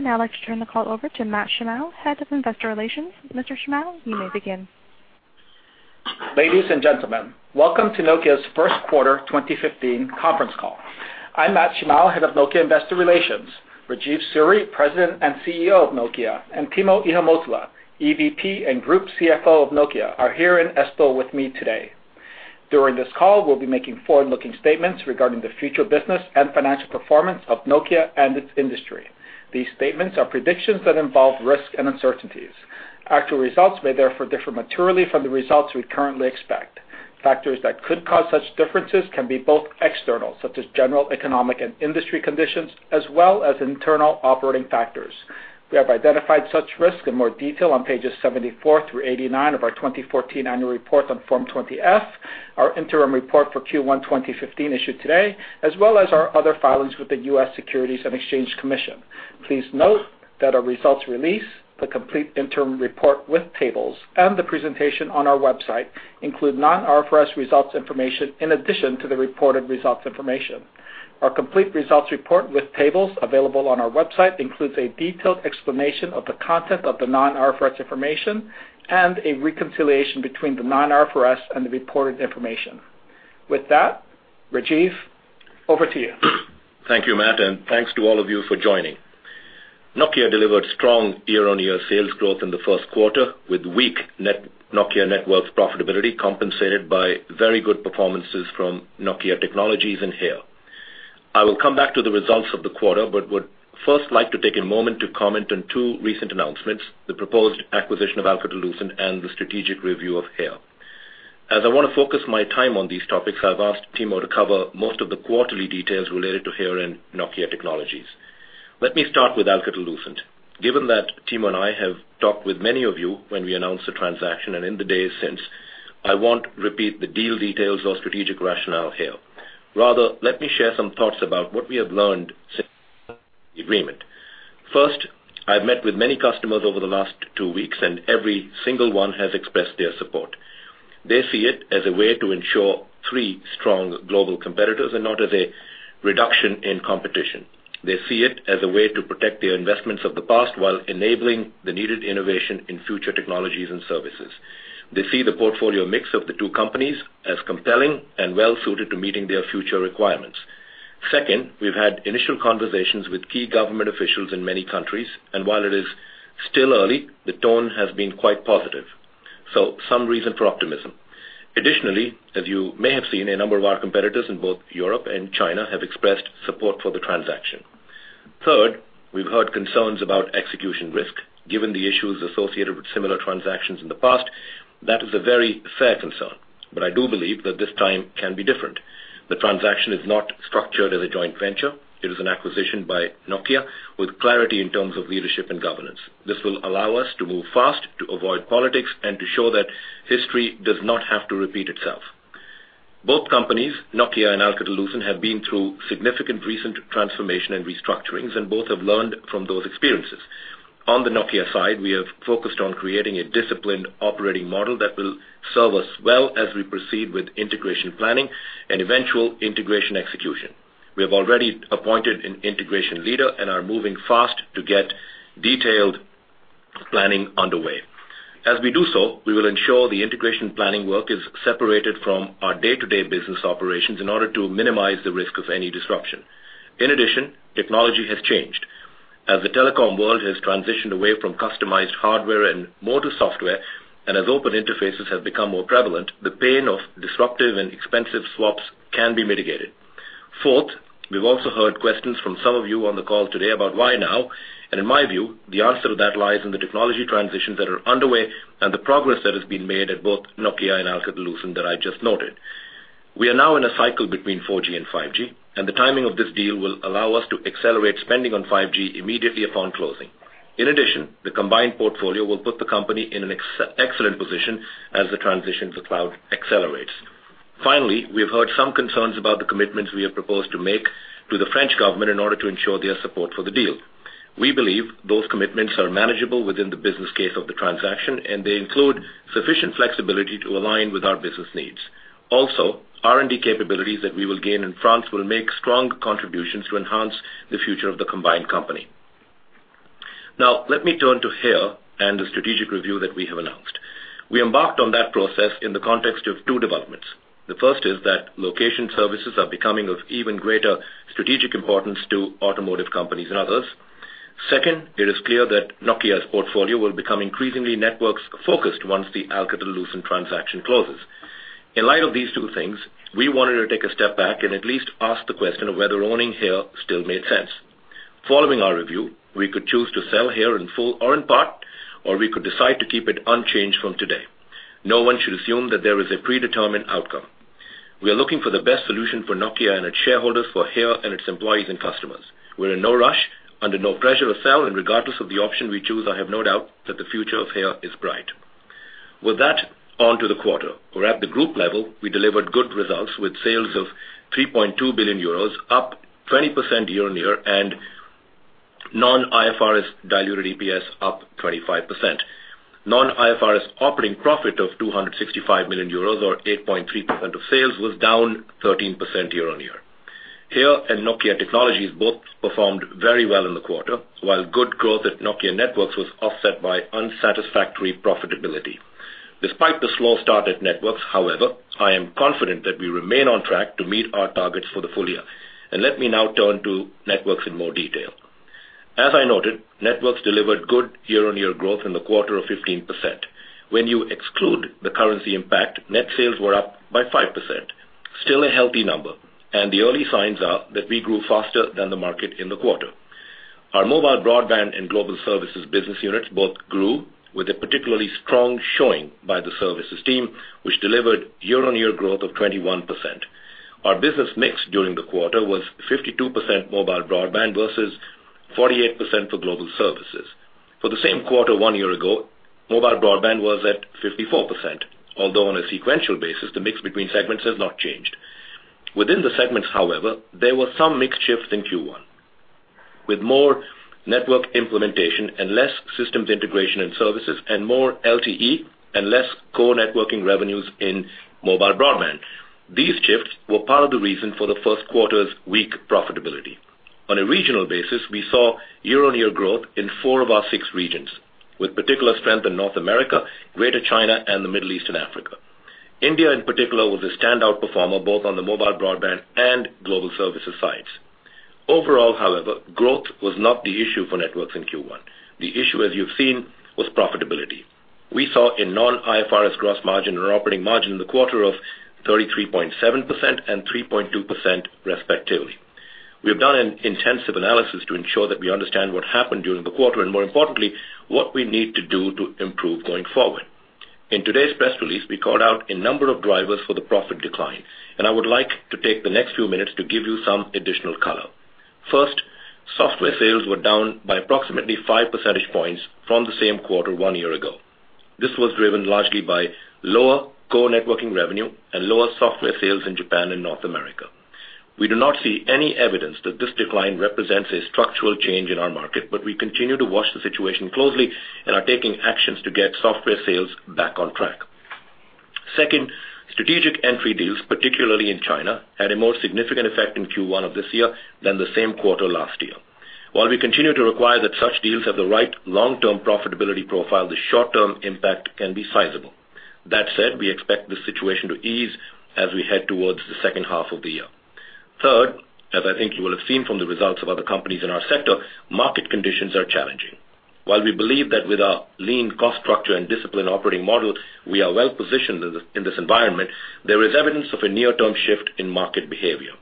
I would now like to turn the call over to Matt Shimao, Head of Investor Relations. Mr. Shimao, you may begin. Ladies and gentlemen, welcome to Nokia's first quarter 2015 conference call. I'm Matt Shimao, Head of Nokia Investor Relations. Rajeev Suri, President and CEO of Nokia, and Timo Ihamuotila, EVP and Group CFO of Nokia, are here in Espoo with me today. During this call, we'll be making forward-looking statements regarding the future business and financial performance of Nokia and its industry. These statements are predictions that involve risks and uncertainties. Actual results may therefore differ materially from the results we currently expect. Factors that could cause such differences can be both external, such as general economic and industry conditions, as well as internal operating factors. We have identified such risks in more detail on pages 74 through 89 of our 2014 annual report on Form 20-F, our interim report for Q1 2015 issued today, as well as our other filings with the U.S. Securities and Exchange Commission. Please note that our results release, the complete interim report with tables, and the presentation on our website include non-IFRS results information in addition to the reported results information. Our complete results report with tables available on our website includes a detailed explanation of the content of the non-IFRS information and a reconciliation between the non-IFRS and the reported information. With that, Rajeev, over to you. Thank you, Matt, and thanks to all of you for joining. Nokia delivered strong year-on-year sales growth in the first quarter with weak Nokia Networks profitability compensated by very good performances from Nokia Technologies and HERE. I will come back to the results of the quarter but would first like to take a moment to comment on two recent announcements, the proposed acquisition of Alcatel-Lucent and the strategic review of HERE. As I want to focus my time on these topics, I've asked Timo to cover most of the quarterly details related to HERE and Nokia Technologies. Let me start with Alcatel-Lucent. Given that Timo and I have talked with many of you when we announced the transaction and in the days since, I won't repeat the deal details or strategic rationale here. Rather, let me share some thoughts about what we have learned since the agreement. First, I've met with many customers over the last two weeks, and every single one has expressed their support. They see it as a way to ensure three strong global competitors and not as a reduction in competition. They see it as a way to protect their investments of the past while enabling the needed innovation in future technologies and services. They see the portfolio mix of the two companies as compelling and well suited to meeting their future requirements. Second, we've had initial conversations with key government officials in many countries, and while it is still early, the tone has been quite positive. Some reason for optimism. Additionally, as you may have seen, a number of our competitors in both Europe and China have expressed support for the transaction. Third, we've heard concerns about execution risk. Given the issues associated with similar transactions in the past, that is a very fair concern. I do believe that this time can be different. The transaction is not structured as a joint venture. It is an acquisition by Nokia with clarity in terms of leadership and governance. This will allow us to move fast, to avoid politics, and to show that history does not have to repeat itself. Both companies, Nokia and Alcatel-Lucent, have been through significant recent transformation and restructurings, and both have learned from those experiences. On the Nokia side, we have focused on creating a disciplined operating model that will serve us well as we proceed with integration planning and eventual integration execution. We have already appointed an integration leader and are moving fast to get detailed planning underway. As we do so, we will ensure the integration planning work is separated from our day-to-day business operations in order to minimize the risk of any disruption. In addition, technology has changed. As the telecom world has transitioned away from customized hardware and more to software, and as open interfaces have become more prevalent, the pain of disruptive and expensive swaps can be mitigated. Fourth, we've also heard questions from some of you on the call today about why now, and in my view, the answer to that lies in the technology transitions that are underway and the progress that has been made at both Nokia and Alcatel-Lucent that I just noted. We are now in a cycle between 4G and 5G, and the timing of this deal will allow us to accelerate spending on 5G immediately upon closing. In addition, the combined portfolio will put the company in an excellent position as the transition to cloud accelerates. Finally, we have heard some concerns about the commitments we have proposed to make to the French government in order to ensure their support for the deal. We believe those commitments are manageable within the business case of the transaction, and they include sufficient flexibility to align with our business needs. Also, R&D capabilities that we will gain in France will make strong contributions to enhance the future of the combined company. Now, let me turn to HERE and the strategic review that we have announced. We embarked on that process in the context of two developments. The first is that location services are becoming of even greater strategic importance to automotive companies and others. Second, it is clear that Nokia's portfolio will become increasingly networks-focused once the Alcatel-Lucent transaction closes. In light of these two things, we wanted to take a step back and at least ask the question of whether owning HERE still made sense. Following our review, we could choose to sell HERE in full or in part, or we could decide to keep it unchanged from today. No one should assume that there is a predetermined outcome. We are looking for the best solution for Nokia and its shareholders, for HERE and its employees and customers. We're in no rush, under no pressure to sell, and regardless of the option we choose, I have no doubt that the future of HERE is bright. With that, onto the quarter, where at the group level, we delivered good results with sales of 3.2 billion euros, up 20% year-on-year, and non-IFRS diluted EPS up 25%. Non-IFRS operating profit of 265 million euros, or 8.3% of sales, was down 13% year-on-year. HERE and Nokia Technologies both performed very well in the quarter, while good growth at Nokia Networks was offset by unsatisfactory profitability. Despite the slow start at Networks, however, I am confident that we remain on track to meet our targets for the full year. Let me now turn to Networks in more detail. As I noted, Networks delivered good year-on-year growth in the quarter of 15%. When you exclude the currency impact, net sales were up by 5%, still a healthy number, and the early signs are that we grew faster than the market in the quarter. Our Mobile Broadband and Global Services business units both grew with a particularly strong showing by the services team, which delivered year-on-year growth of 21%. Our business mix during the quarter was 52% Mobile Broadband versus 48% for Global Services. For the same quarter one year ago, Mobile Broadband was at 54%, although on a sequential basis, the mix between segments has not changed. Within the segments, however, there were some mix shift in Q1. With more network implementation and less systems integration and services, and more LTE and less core networking revenues in Mobile Broadband. These shifts were part of the reason for the first quarter's weak profitability. On a regional basis, we saw year-on-year growth in four of our six regions, with particular strength in North America, Greater China, and the Middle East and Africa. India, in particular, was a standout performer both on the Mobile Broadband and Global Services sides. Overall, however, growth was not the issue for Networks in Q1. The issue, as you've seen, was profitability. We saw a non-IFRS gross margin and operating margin in the quarter of 33.7% and 3.2% respectively. We have done an intensive analysis to ensure that we understand what happened during the quarter. More importantly, what we need to do to improve going forward. In today's press release, we called out a number of drivers for the profit decline. I would like to take the next few minutes to give you some additional color. First, software sales were down by approximately five percentage points from the same quarter one year ago. This was driven largely by lower core networking revenue and lower software sales in Japan and North America. We do not see any evidence that this decline represents a structural change in our market. We continue to watch the situation closely and are taking actions to get software sales back on track. Second, strategic entry deals, particularly in China, had a more significant effect in Q1 of this year than the same quarter last year. While we continue to require that such deals have the right long-term profitability profile, the short-term impact can be sizable. That said, we expect this situation to ease as we head towards the second half of the year. Third, as I think you will have seen from the results of other companies in our sector, market conditions are challenging. While we believe that with our lean cost structure and disciplined operating model, we are well positioned in this environment, there is evidence of a near-term shift in market behavior.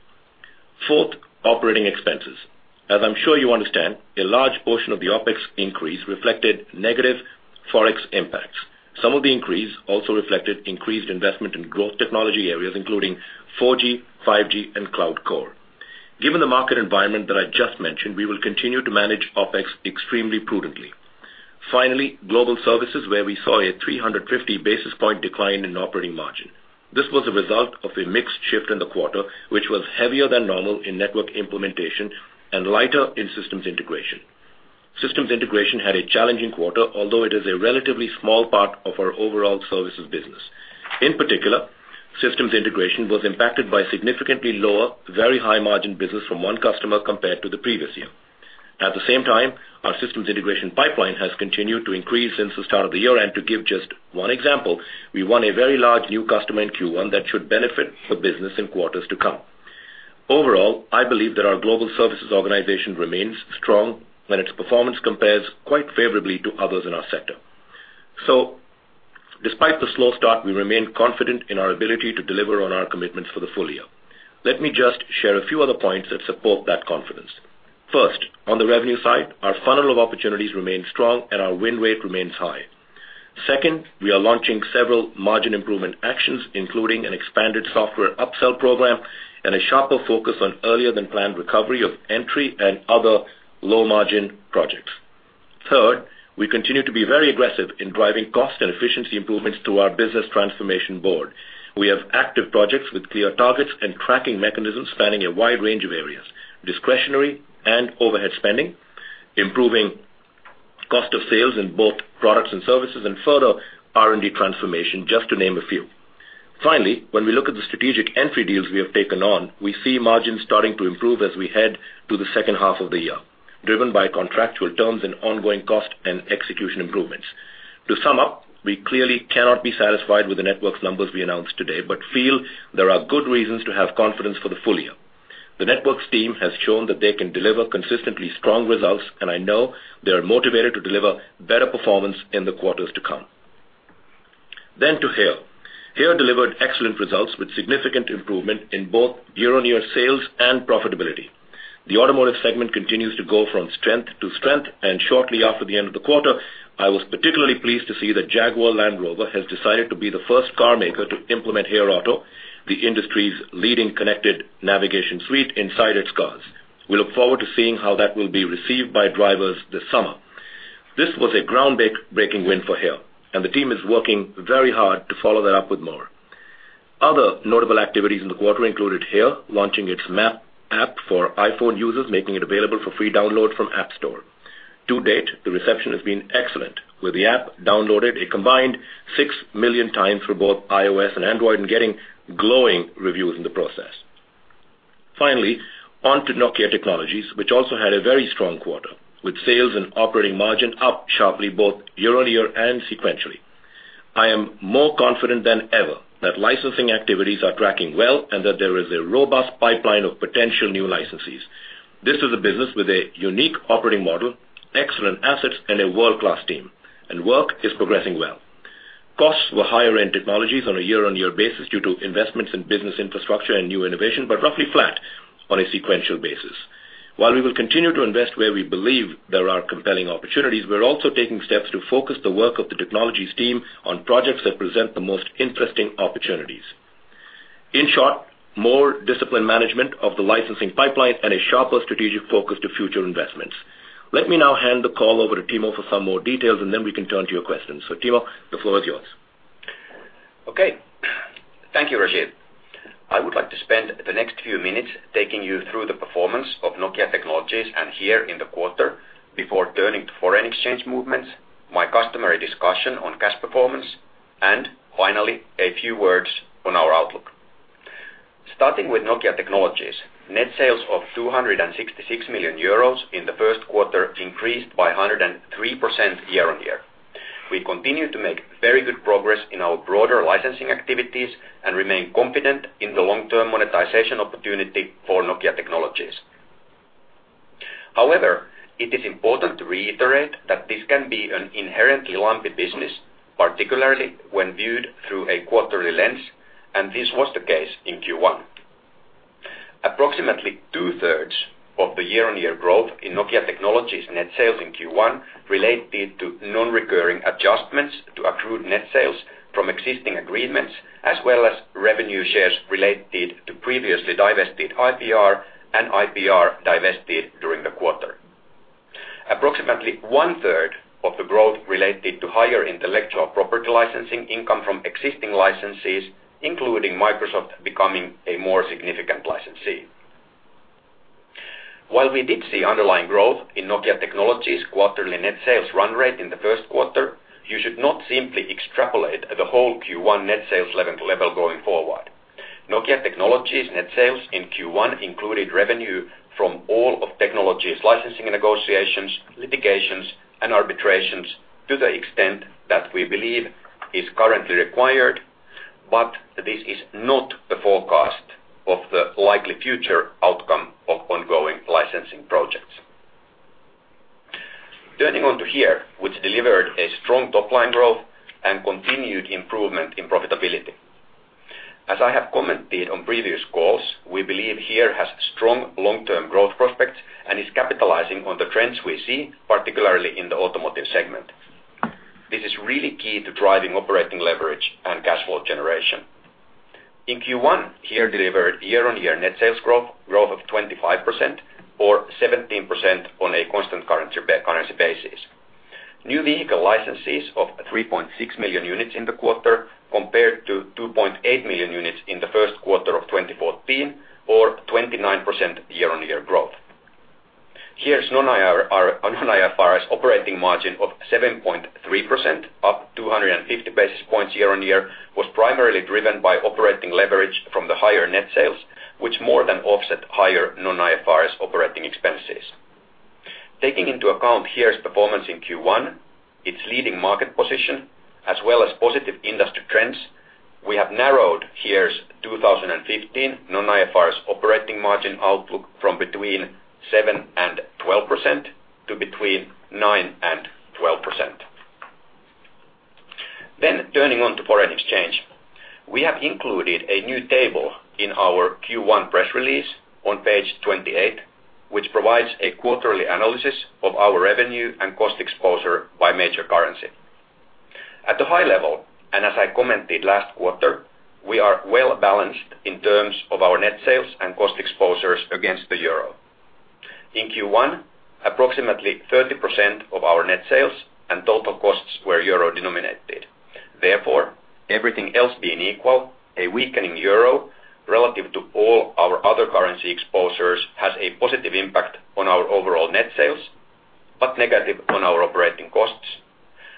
Fourth, operating expenses. As I'm sure you understand, a large portion of the OpEx increase reflected negative Forex impacts. Some of the increase also reflected increased investment in growth technology areas, including 4G, 5G, and Cloud Core. Given the market environment that I just mentioned, we will continue to manage OpEx extremely prudently. Finally, Global Services, where we saw a 350 basis point decline in operating margin. This was a result of a mixed shift in the quarter, which was heavier than normal in network implementation and lighter in systems integration. Systems integration had a challenging quarter, although it is a relatively small part of our overall services business. In particular, systems integration was impacted by significantly lower, very high margin business from one customer compared to the previous year. At the same time, our systems integration pipeline has continued to increase since the start of the year. To give just one example, we won a very large new customer in Q1 that should benefit the business in quarters to come. Overall, I believe that our Global Services organization remains strong when its performance compares quite favorably to others in our sector. Despite the slow start, we remain confident in our ability to deliver on our commitments for the full year. Let me just share a few other points that support that confidence. First, on the revenue side, our funnel of opportunities remains strong and our win rate remains high. Second, we are launching several margin improvement actions, including an expanded software upsell program and a sharper focus on earlier than planned recovery of entry and other low margin projects. Third, we continue to be very aggressive in driving cost and efficiency improvements through our business transformation board. We have active projects with clear targets and tracking mechanisms spanning a wide range of areas. Discretionary and overhead spending, improving cost of sales in both products and services, and further R&D transformation, just to name a few. Finally, when we look at the strategic entry deals we have taken on, we see margins starting to improve as we head to the second half of the year, driven by contractual terms and ongoing cost and execution improvements. To sum up, we clearly cannot be satisfied with the Networks numbers we announced today but feel there are good reasons to have confidence for the full year. The Networks team has shown that they can deliver consistently strong results, and I know they are motivated to deliver better performance in the quarters to come. To HERE. HERE delivered excellent results with significant improvement in both year-on-year sales and profitability. The automotive segment continues to go from strength to strength. Shortly after the end of the quarter, I was particularly pleased to see that Jaguar Land Rover has decided to be the first car maker to implement HERE Auto, the industry's leading connected navigation suite inside its cars. We look forward to seeing how that will be received by drivers this summer. This was a groundbreaking win for HERE. The team is working very hard to follow that up with more. Other notable activities in the quarter included HERE launching its map app for iPhone users, making it available for free download from App Store. To date, the reception has been excellent, with the app downloaded a combined 6 million times for both iOS and Android and getting glowing reviews in the process. Finally, on to Nokia Technologies, which also had a very strong quarter, with sales and operating margin up sharply both year-on-year and sequentially. I am more confident than ever that licensing activities are tracking well and that there is a robust pipeline of potential new licensees. This is a business with a unique operating model, excellent assets, and a world-class team. Work is progressing well. Costs were higher in technologies on a year-on-year basis due to investments in business infrastructure and new innovation, but roughly flat on a sequential basis. While we will continue to invest where we believe there are compelling opportunities, we're also taking steps to focus the work of the technologies team on projects that present the most interesting opportunities. In short, more disciplined management of the licensing pipeline and a sharper strategic focus to future investments. Let me now hand the call over to Timo for some more details. Then we can turn to your questions. Timo, the floor is yours. Okay. Thank you, Rajeev. I would like to spend the next few minutes taking you through the performance of Nokia Technologies and HERE in the quarter before turning to foreign exchange movements, my customary discussion on cash performance, and finally, a few words on our outlook. Starting with Nokia Technologies, net sales of 266 million euros in the first quarter increased by 103% year-on-year. We continue to make very good progress in our broader licensing activities. We remain confident in the long-term monetization opportunity for Nokia Technologies. However, it is important to reiterate that this can be an inherently lumpy business, particularly when viewed through a quarterly lens. This was the case in Q1. Approximately two-thirds of the year-on-year growth in Nokia Technologies net sales in Q1 related to non-recurring adjustments to accrued net sales from existing agreements as well as revenue shares related to previously divested IPR and IPR divested during the quarter. Approximately one-third of the growth related to higher intellectual property licensing income from existing licensees, including Microsoft becoming a more significant licensee. While we did see underlying growth in Nokia Technologies' quarterly net sales run rate in the first quarter, you should not simply extrapolate the whole Q1 net sales level going forward. Nokia Technologies net sales in Q1 included revenue from all of technologies licensing negotiations, litigations, and arbitrations to the extent that we believe is currently required, but this is not the forecast of the likely future outcome of ongoing licensing projects. Turning on to HERE, which delivered a strong top-line growth and continued improvement in profitability. As I have commented on previous calls, we believe HERE has strong long-term growth prospects and is capitalizing on the trends we see, particularly in the automotive segment. This is really key to driving operating leverage and cash flow generation. In Q1, HERE delivered year-on-year net sales growth of 25% or 17% on a constant currency basis. New vehicle licenses of 3.6 million units in the quarter, compared to 2.8 million units in the first quarter of 2014 or 29% year-on-year growth. HERE's non-IFRS operating margin of 7.3%, up 250 basis points year-on-year, was primarily driven by operating leverage from the higher net sales, which more than offset higher non-IFRS operating expenses. Taking into account HERE's performance in Q1, its leading market position, as well as positive industry trends, we have narrowed HERE's 2015 non-IFRS operating margin outlook from between 7% and 12% to between 9% and 12%. Turning on to foreign exchange. We have included a new table in our Q1 press release on page 28, which provides a quarterly analysis of our revenue and cost exposure by major currency. At the high level, as I commented last quarter, we are well-balanced in terms of our net sales and cost exposures against the euro. In Q1, approximately 30% of our net sales and total costs were euro denominated. Therefore, everything else being equal, a weakening euro relative to all our other currency exposures has a positive impact on our overall net sales, but negative on our operating costs,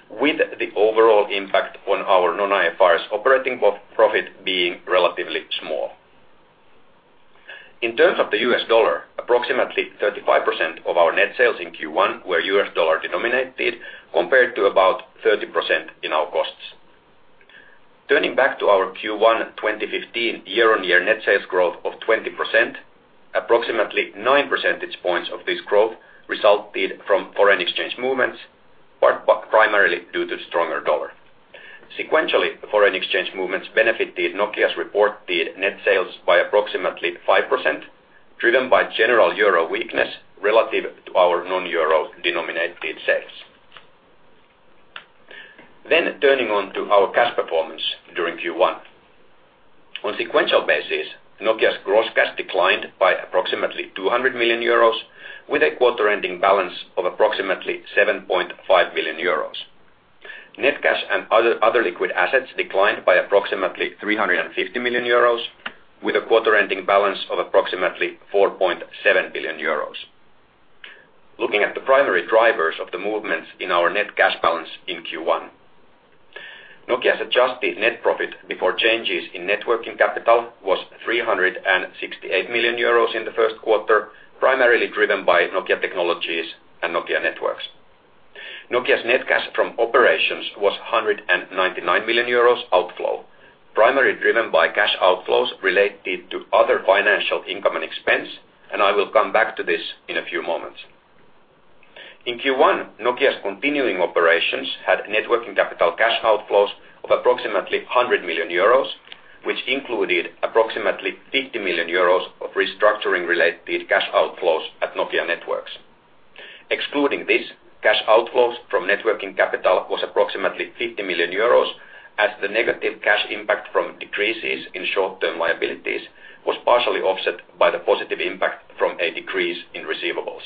with the overall impact on our non-IFRS operating profit being relatively small. In terms of the U.S. dollar, approximately 35% of our net sales in Q1 were U.S. dollar denominated, compared to about 30% in our costs. Turning back to our Q1 2015 year-on-year net sales growth of 20%, approximately nine percentage points of this growth resulted from foreign exchange movements, primarily due to the stronger dollar. Sequentially, foreign exchange movements benefited Nokia's reported net sales by approximately 5%, driven by general euro weakness relative to our non-euro denominated sales. Turning on to our cash performance during Q1. On sequential basis, Nokia's gross cash declined by approximately 200 million euros with a quarter ending balance of approximately 7.5 billion euros. Net cash and other liquid assets declined by approximately 350 million euros with a quarter-ending balance of approximately 4.7 billion euros. Looking at the primary drivers of the movements in our net cash balance in Q1. Nokia's adjusted net profit before changes in net working capital was 368 million euros in the first quarter, primarily driven by Nokia Technologies and Nokia Networks. Nokia's net cash from operations was €199 million outflow, primarily driven by cash outflows related to other financial income and expense. I will come back to this in a few moments. In Q1, Nokia's continuing operations had net working capital cash outflows of approximately €100 million, which included approximately €50 million of restructuring related cash outflows at Nokia Networks. Excluding these, cash outflows from net working capital was approximately €50 million, as the negative cash impact from decreases in short-term liabilities was partially offset by the positive impact from a decrease in receivables.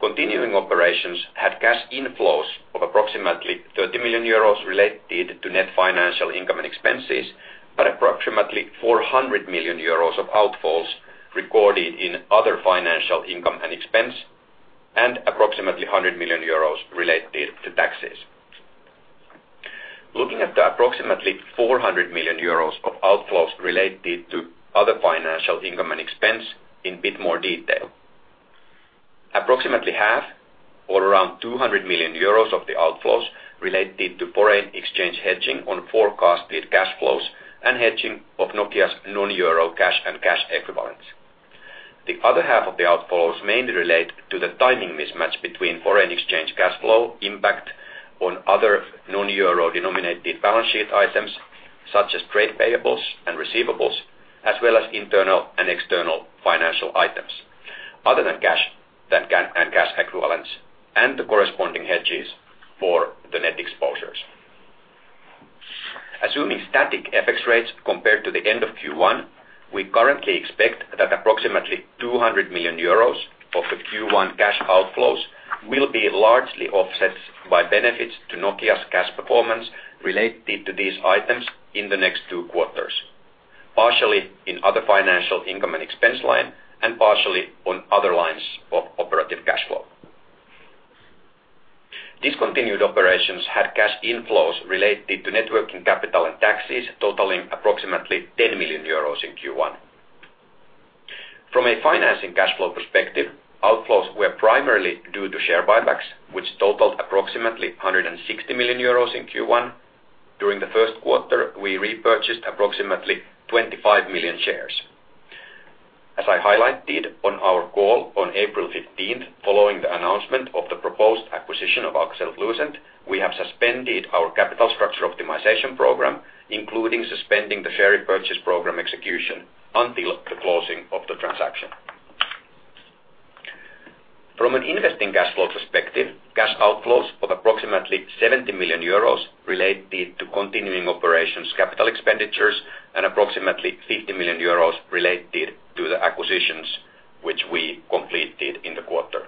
Continuing operations had cash inflows of approximately €30 million related to net financial income and expenses, but approximately €400 million of outflows recorded in other financial income and expense, and approximately €100 million related to taxes. Looking at the approximately €400 million of outflows related to other financial income and expense in bit more detail. Approximately half or around €200 million of the outflows related to foreign exchange hedging on forecasted cash flows and hedging of Nokia's non-euro cash and cash equivalents. The other half of the outflows mainly relate to the timing mismatch between foreign exchange cash flow impact on other non-euro denominated balance sheet items, such as trade payables and receivables, as well as internal and external financial items other than cash and cash equivalents, and the corresponding hedges for the net exposures. Assuming static FX rates compared to the end of Q1, we currently expect that approximately €200 million of the Q1 cash outflows will be largely offset by benefits to Nokia's cash performance related to these items in the next two quarters. Partially in other financial income and expense line, and partially on other lines of operative cash flow. Discontinued operations had cash inflows related to net working capital and taxes totaling approximately €10 million in Q1. From a financing cash flow perspective, outflows were primarily due to share buybacks, which totaled approximately €160 million in Q1. During the first quarter, we repurchased approximately 25 million shares. As I highlighted on our call on April 15th, following the announcement of the proposed acquisition of Alcatel-Lucent, we have suspended our capital structure optimization program, including suspending the share repurchase program execution until the closing of the transaction. From an investing cash flow perspective, cash outflows of approximately €70 million related to continuing operations capital expenditures and approximately €50 million related to the acquisitions, which we completed in the quarter.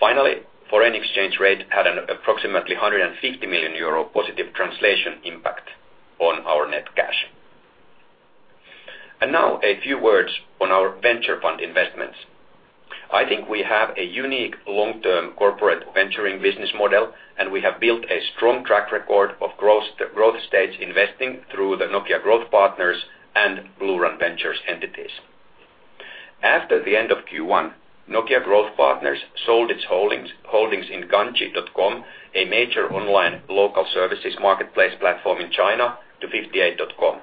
Finally, foreign exchange rate had an approximately €150 million positive translation impact on our net cash. Now a few words on our venture fund investments. I think we have a unique long-term corporate venturing business model, and we have built a strong track record of growth stage investing through the Nokia Growth Partners and BlueRun Ventures entities. After the end of Q1, Nokia Growth Partners sold its holdings in Ganji.com, a major online local services marketplace platform in China, to 58.com.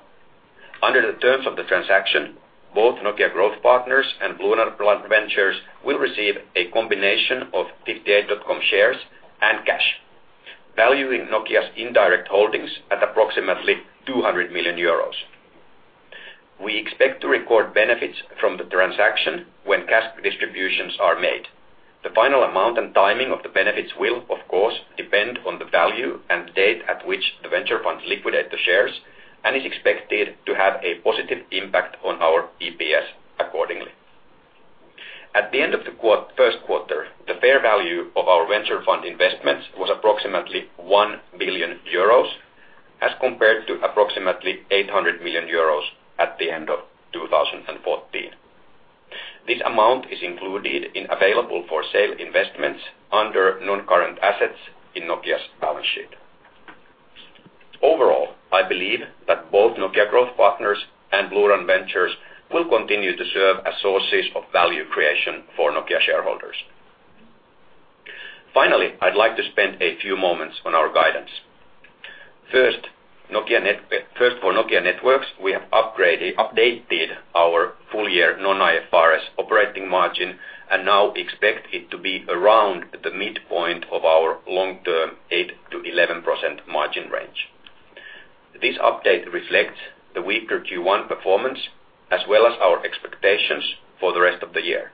Under the terms of the transaction, both Nokia Growth Partners and BlueRun Ventures will receive a combination of 58.com shares and cash, valuing Nokia's indirect holdings at approximately €200 million. We expect to record benefits from the transaction when cash distributions are made. The final amount and timing of the benefits will, of course, depend on the value and date at which the venture funds liquidate the shares and is expected to have a positive impact on our EPS accordingly. At the end of the first quarter, the fair value of our venture fund investments was approximately 1 billion euros as compared to approximately 800 million euros at the end of 2014. This amount is included in available for sale investments under non-current assets in Nokia's balance sheet. Overall, I believe that both Nokia Growth Partners and BlueRun Ventures will continue to serve as sources of value creation for Nokia shareholders. Finally, I'd like to spend a few moments on our guidance. First, for Nokia Networks, we have updated our full year non-IFRS operating margin and now expect it to be around the midpoint of our long-term 8%-11% margin range. This update reflects the weaker Q1 performance as well as our expectations for the rest of the year.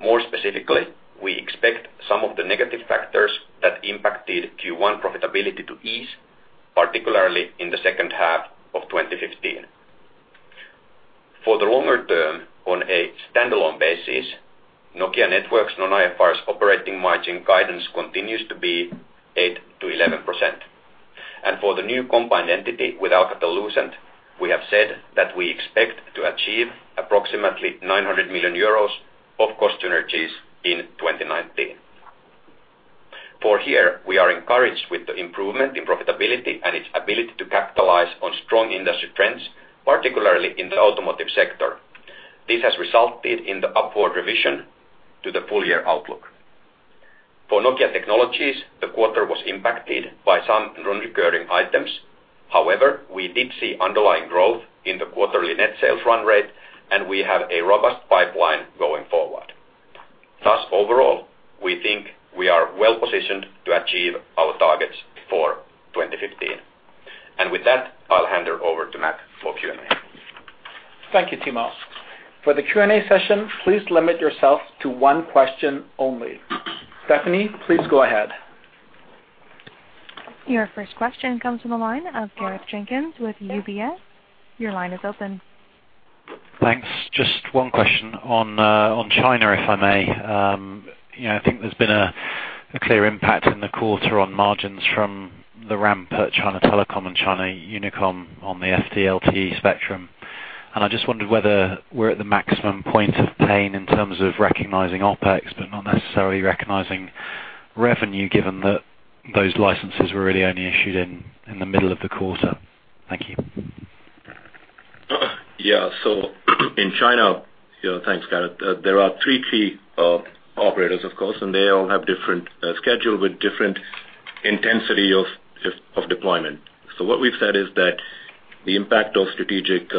More specifically, we expect some of the negative factors that impacted Q1 profitability to ease, particularly in the second half of 2015. For the longer term, on a standalone basis, Nokia Networks' non-IFRS operating margin guidance continues to be 8%-11%. For the new combined entity with Alcatel-Lucent, we have said that we expect to achieve approximately 900 million euros of cost synergies in 2019. For HERE, we are encouraged with the improvement in profitability and its ability to capitalize on strong industry trends, particularly in the automotive sector. This has resulted in the upward revision to the full-year outlook. For Nokia Technologies, the quarter was impacted by some non-recurring items. However, we did see underlying growth in the quarterly net sales run rate, and we have a robust pipeline going forward. Thus, overall, we think we are well-positioned to achieve our targets for 2015. With that, I'll hand it over to Matt for Q&A. Thank you, Timo. For the Q&A session, please limit yourself to one question only. Stephanie, please go ahead. Your first question comes from the line of Gareth Jenkins with UBS. Your line is open. Thanks. Just one question on China, if I may. I think there's been a clear impact in the quarter on margins from the ramp at China Telecom and China Unicom on the FDD-LTE spectrum, I just wondered whether we're at the maximum point of pain in terms of recognizing OpEx, but not necessarily recognizing revenue, given that those licenses were really only issued in the middle of the quarter. Thank you. Yeah. In China, thanks, Gareth, there are three key operators, of course, They all have different schedule with different intensity of deployment. What we've said is that the impact of strategic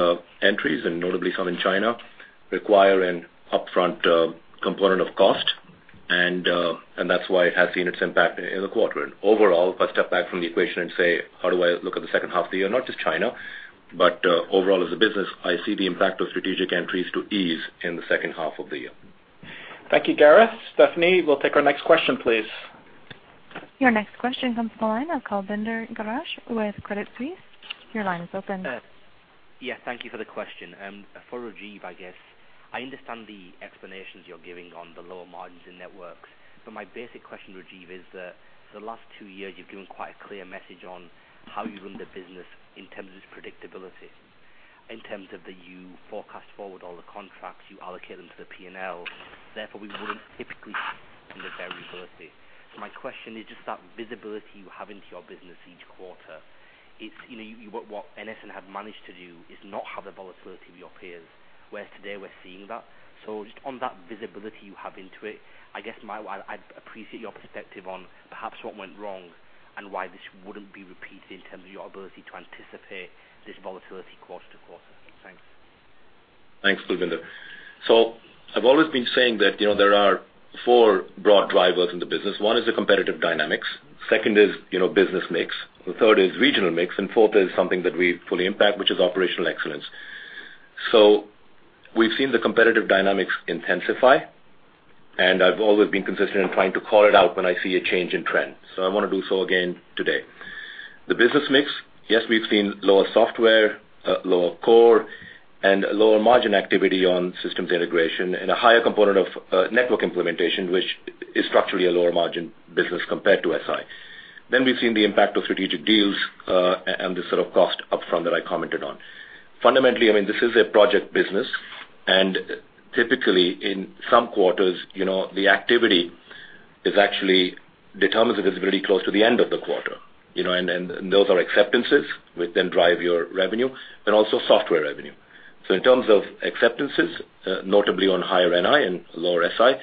entries, notably some in China, require an upfront component of cost, That's why it has seen its impact in the quarter. Overall, if I step back from the equation and say, how do I look at the second half of the year, not just China, but overall as a business, I see the impact of strategic entries to ease in the second half of the year. Thank you, Gareth. Stephanie, we'll take our next question, please. Your next question comes from the line of Kulbinder Garcha with Credit Suisse. Your line is open. Yeah, thank you for the question. For Rajeev, I guess I understand the explanations you're giving on the lower margins in Networks, but my basic question, Rajeev, is that for the last two years, you've given quite a clear message on how you run the business in terms of its predictability, in terms of that you forecast forward all the contracts, you allocate them to the P&L. We wouldn't typically the variability. My question is just that visibility you have into your business each quarter. What NSN had managed to do is not have the volatility of your peers, whereas today we're seeing that. Just on that visibility you have into it, I guess I'd appreciate your perspective on perhaps what went wrong and why this wouldn't be repeated in terms of your ability to anticipate this volatility quarter-to-quarter. Thanks. Thanks, Kulbinder. I've always been saying that there are four broad drivers in the business. One is the competitive dynamics, second is business mix, the third is regional mix, and fourth is something that we fully impact, which is operational excellence. We've seen the competitive dynamics intensify, and I've always been consistent in trying to call it out when I see a change in trend. I want to do so again today. The business mix, yes, we've seen lower software, lower core, and lower margin activity on systems integration and a higher component of network implementation, which is structurally a lower margin business compared to SI. We've seen the impact of strategic deals, and the sort of cost up front that I commented on. Fundamentally, this is a project business, and typically in some quarters, the activity is actually determines the visibility close to the end of the quarter. Those are acceptances, which then drive your revenue and also software revenue. In terms of acceptances, notably on higher NI and lower SI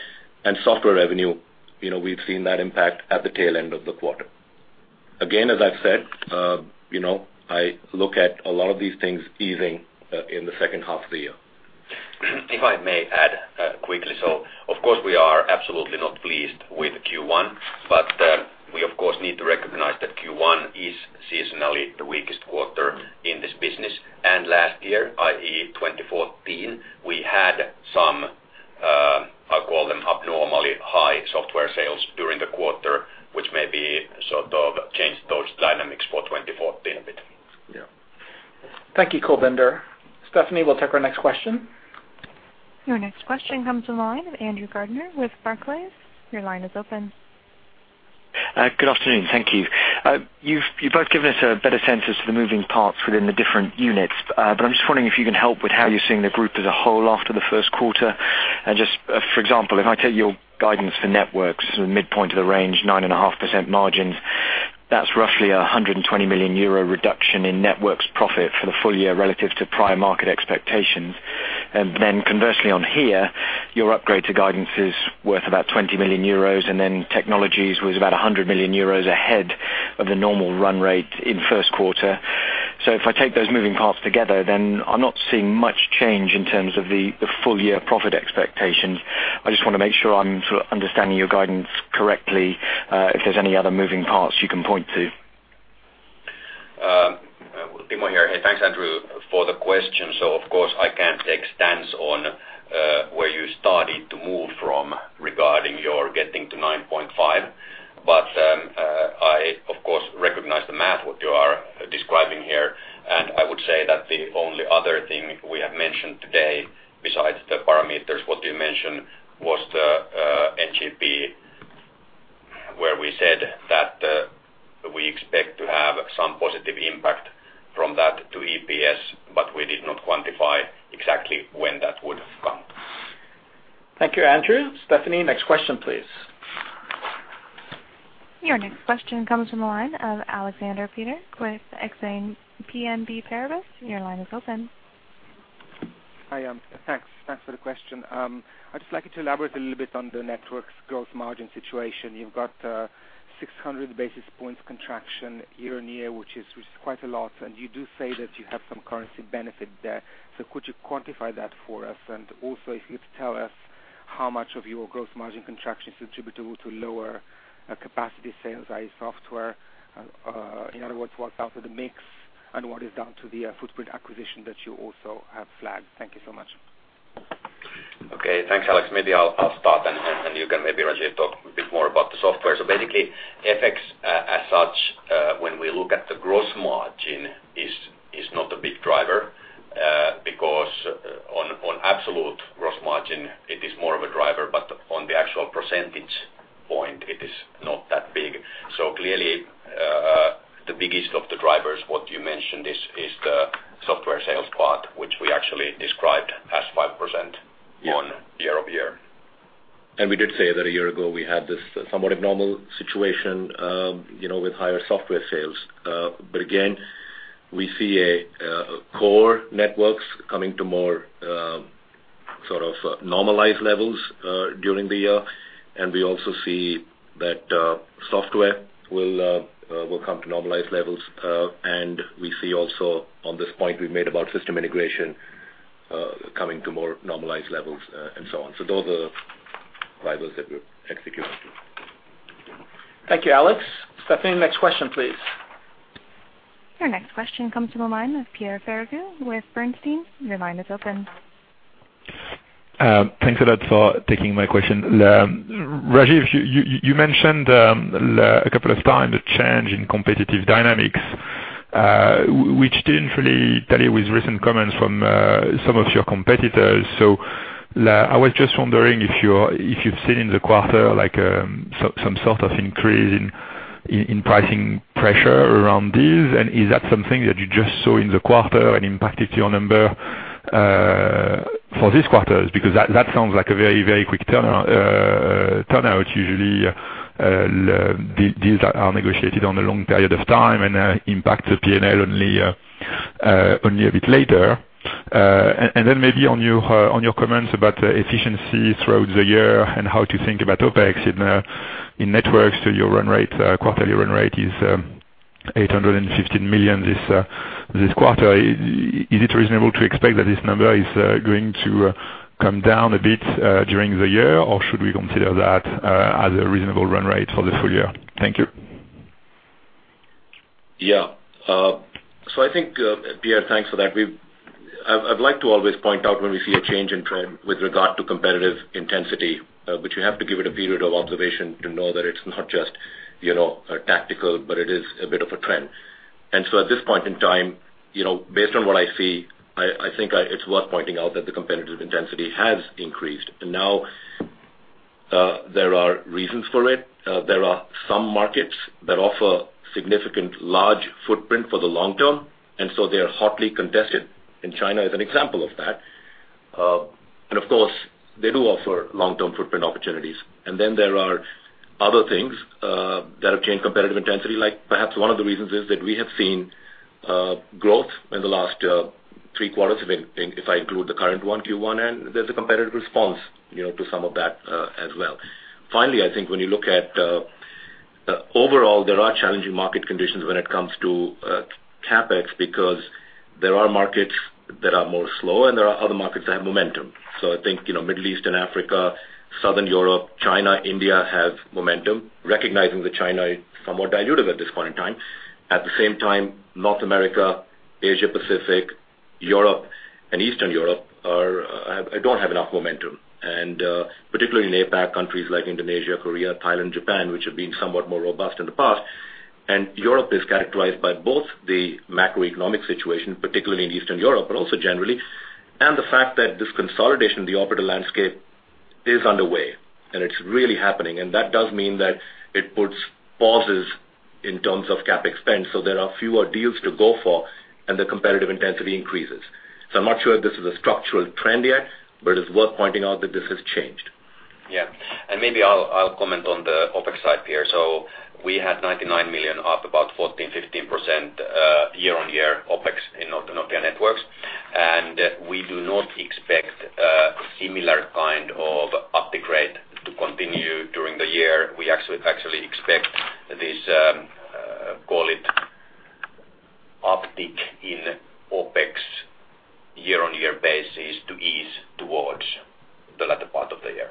and software revenue, we've seen that impact at the tail end of the quarter. Again, as I've said, I look at a lot of these things easing in the second half of the year. If I may add quickly. Of course, we are absolutely not pleased with Q1, but we of course, need to recognize that Q1 is seasonally the weakest quarter in this business. Last year, i.e., 2014, we had some, I'll call them abnormally high software sales during the quarter, which maybe sort of changed those dynamics for 2014 a bit. Yeah. Thank you, Kulbinder. Stephanie, we'll take our next question. Your next question comes from the line of Andrew Gardner with Barclays. Your line is open. Good afternoon. Thank you. You've both given us a better sense as to the moving parts within the different units, I'm just wondering if you can help with how you're seeing the group as a whole after the first quarter. Just for example, if I take your guidance for networks, the midpoint of the range, 9.5% margins, that's roughly a 120 million euro reduction in networks profit for the full year relative to prior market expectations. Then conversely on HERE, your upgrade to guidance is worth about 20 million euros, then technologies was about 100 million euros ahead of the normal run rate in the first quarter. If I take those moving parts together, then I'm not seeing much change in terms of the full-year profit expectations. I just want to make sure I'm sort of understanding your guidance correctly, if there's any other moving parts you can point to. Timo here. Hey, thanks, Andrew, for the question. Of course, I can't take stance on where you started to move from regarding your getting to 9.5. I, of course, recognize the math what you are describing here, and I would say that the only other thing we have mentioned today besides the parameters what you mentioned was the NGP, where we said that we expect to have some positive impact from that to EPS, but we did not quantify exactly when that would have come. Thank you, Andrew. Stephanie, next question, please. Your next question comes from the line of Aleksander Peterc with Exane BNP Paribas. Your line is open. Hi. Thanks for the question. I'd just like you to elaborate a little bit on the Networks gross margin situation. You've got 600 basis points contraction year-on-year, which is quite a lot, and you do say that you have some currency benefit there. Could you quantify that for us? If you could tell us how much of your gross margin contraction is attributable to lower capacity sales, i.e. software. In other words, what's out of the mix and what is down to the footprint acquisition that you also have flagged. Thank you so much. Okay. Thanks, Aleks. Maybe I'll start, and you can maybe, Rajeev, talk a bit more about the software. FX as such, when we look at the gross margin, is not a big driver, because on absolute gross margin it is more of a driver, but on the actual percentage point, it is not that big. The biggest of the drivers, what you mentioned, is the software sales part, which we actually described as 5% on year-over-year. We did say that a year ago, we had this somewhat abnormal situation with higher software sales. We see core networks coming to more normalized levels during the year. We also see that software will come to normalized levels. We see also on this point we made about system integration coming to more normalized levels, and so on. Those are the drivers that we're executing. Thank you, Aleks. Stephanie, next question, please. Your next question comes from the line of Pierre Ferragu with Bernstein. Your line is open. Thanks a lot for taking my question. Rajeev, you mentioned a couple of times a change in competitive dynamics, which didn't really tally with recent comments from some of your competitors. I was just wondering if you've seen in the quarter some sort of increase in pricing pressure around these, is that something that you just saw in the quarter and impacted your number for this quarter? Because that sounds like a very quick turnout. Usually, these are negotiated on a long period of time and impact the P&L only a bit later. Maybe on your comments about efficiency throughout the year and how to think about OpEx in networks to your run rate. Quarterly run rate is 850 million this quarter. Is it reasonable to expect that this number is going to come down a bit during the year, or should we consider that as a reasonable run rate for the full year? Thank you. I think, Pierre, thanks for that. I'd like to always point out when we see a change in trend with regard to competitive intensity, you have to give it a period of observation to know that it's not just tactical, but it is a bit of a trend. At this point in time, based on what I see, I think it's worth pointing out that the competitive intensity has increased. Now, there are reasons for it. There are some markets that offer significant large footprint for the long term, they are hotly contested, and China is an example of that. Of course, they do offer long-term footprint opportunities. There are other things that have changed competitive intensity, perhaps one of the reasons is that we have seen growth in the last three quarters, if I include the current one, Q1, there's a competitive response to some of that as well. When you look at overall, there are challenging market conditions when it comes to CapEx because there are markets that are more slow and there are other markets that have momentum. Middle East and Africa, Southern Europe, China, India have momentum, recognizing that China is somewhat dilutive at this point in time. At the same time, North America, Asia Pacific, Europe and Eastern Europe do not have enough momentum. Particularly in APAC countries like Indonesia, Korea, Thailand, Japan, which have been somewhat more robust in the past. Europe is characterized by both the macroeconomic situation, particularly in Eastern Europe, but also generally, it's really happening. That does mean that it puts pauses in terms of CapEx spend, there are fewer deals to go for and the competitive intensity increases. I am not sure if this is a structural trend yet, but it's worth pointing out that this has changed. Maybe I will comment on the OpEx side here. We had 99 million, up about 14%-15% year-on-year OpEx in Nokia Networks. We do not expect a similar kind of uptick rate to continue during the year. We actually expect this, call it uptick in OpEx year-on-year basis to ease towards the latter part of the year.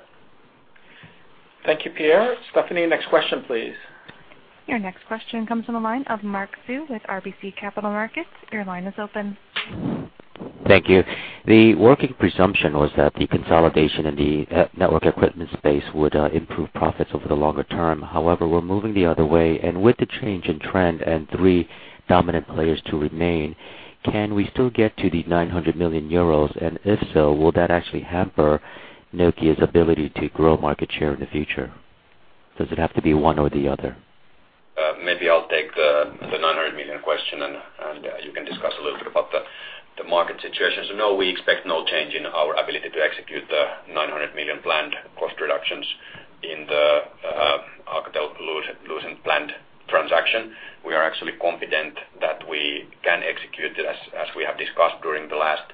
Thank you, Pierre. Stephanie, next question, please. Your next question comes from the line of Mark Sue with RBC Capital Markets. Your line is open. Thank you. The working presumption was that the consolidation in the network equipment space would improve profits over the longer term. We're moving the other way, with the change in trend and three dominant players to remain, can we still get to the 900 million euros? If so, will that actually hamper Nokia's ability to grow market share in the future? Does it have to be one or the other? Maybe I'll take the 900 million EUR question, and you can discuss a little bit about the market situation. No, we expect no change in our ability to execute the 900 million EUR planned cost reductions in the Alcatel-Lucent planned transaction. We are actually confident that we can execute it, as we have discussed during the last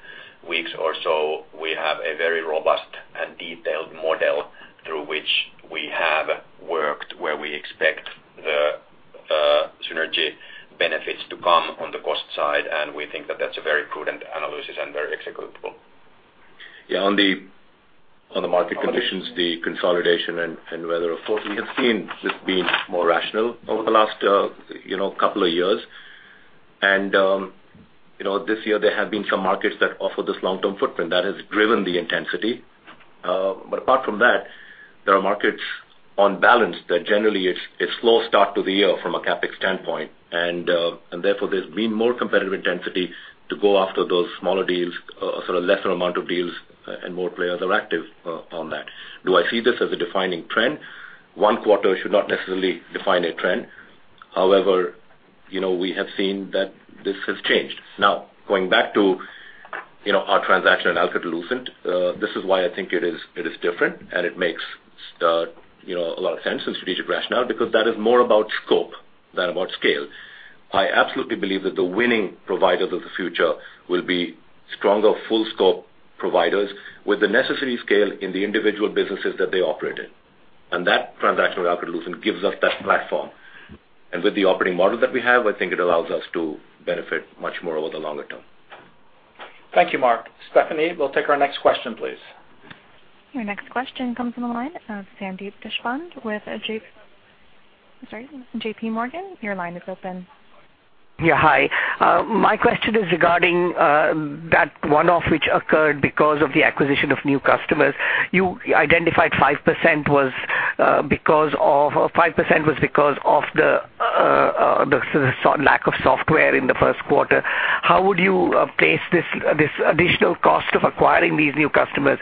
weeks or so. We have a very robust and detailed model through which we have worked, where we expect the synergy benefits to come on the cost side, we think that that's a very prudent analysis and very executable. Yeah, on the market conditions, the consolidation and weather, of course, we have seen this being more rational over the last couple of years. This year there have been some markets that offer this long-term footprint that has driven the intensity. Apart from that, there are markets on balance that generally, it's a slow start to the year from a CapEx standpoint. Therefore, there's been more competitive intensity to go after those smaller deals, sort of lesser amount of deals, and more players are active on that. Do I see this as a defining trend? One quarter should not necessarily define a trend. We have seen that this has changed. Going back to our transaction on Alcatel-Lucent, this is why I think it is different and it makes a lot of sense and strategic rationale because that is more about scope than about scale. I absolutely believe that the winning providers of the future will be stronger full-scope providers with the necessary scale in the individual businesses that they operate in. That transaction with Alcatel-Lucent gives us that platform. With the operating model that we have, I think it allows us to benefit much more over the longer term. Thank you, Mark. Stephanie, we will take our next question, please. Your next question comes from the line of Sandeep Deshpande with J.P. Morgan. Your line is open. Yeah, hi. My question is regarding that one-off which occurred because of the acquisition of new customers. You identified 5% was because of the lack of software in the first quarter. How would you place this additional cost of acquiring these new customers?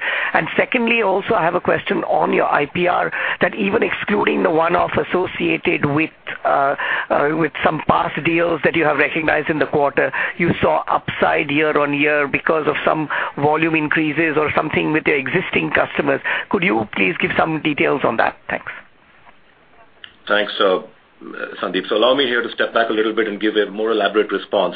Secondly, also I have a question on your IPR that even excluding the one-off associated with some past deals that you have recognized in the quarter, you saw upside year-over-year because of some volume increases or something with your existing customers. Could you please give some details on that? Thanks. Thanks, Sandeep. Allow me here to step back a little bit and give a more elaborate response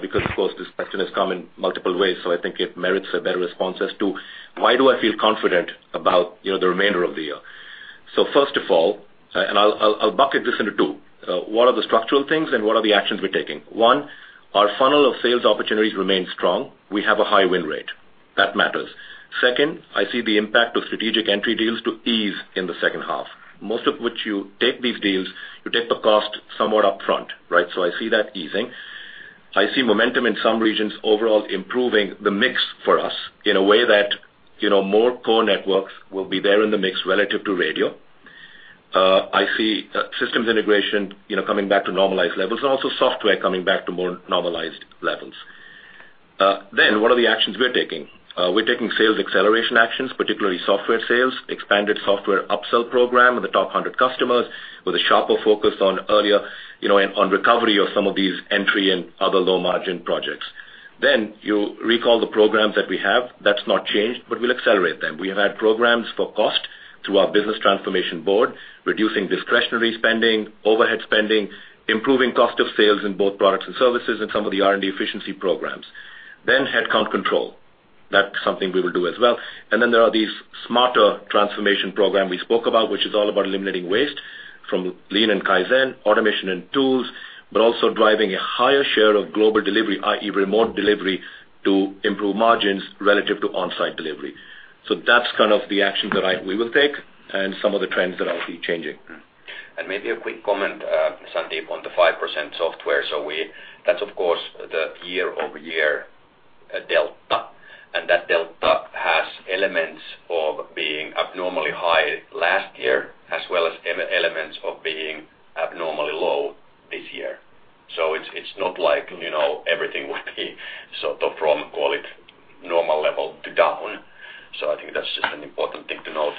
because, of course, this question has come in multiple ways. I think it merits a better response as to why do I feel confident about the remainder of the year. First of all, I'll bucket this into two. What are the structural things and what are the actions we're taking? One, our funnel of sales opportunities remains strong. We have a high win rate. That matters. Second, I see the impact of strategic entry deals to ease in the second half. Most of which you take these deals, you take the cost somewhat upfront, right? I see that easing. I see momentum in some regions overall improving the mix for us in a way that more core networks will be there in the mix relative to radio. I see systems integration coming back to normalized levels and also software coming back to more normalized levels. What are the actions we're taking? We're taking sales acceleration actions, particularly software sales, expanded software upsell program with the top 100 customers with a sharper focus on earlier, on recovery of some of these entry and other low-margin projects. You recall the programs that we have. That's not changed, but we'll accelerate them. We have had programs for cost through our business transformation board, reducing discretionary spending, overhead spending, improving cost of sales in both products and services, and some of the R&D efficiency programs. Headcount control. That's something we will do as well. There are these smarter transformation program we spoke about, which is all about eliminating waste from lean and Kaizen, automation and tools, but also driving a higher share of global delivery, i.e., remote delivery, to improve margins relative to on-site delivery. That's kind of the action that we will take and some of the trends that I see changing. Maybe a quick comment, Sandeep, on the 5% software. That's of course the year-over-year delta, and that delta has elements of being abnormally high last year as well as elements of being abnormally low this year. It's not like everything would be sort of from, call it, normal level to down. I think that's just an important thing to note.